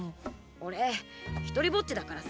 俺ひとりぼっちだからさ。